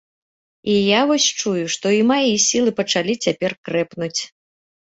І я вось чую, што і мае сілы пачалі цяпер крэпнуць.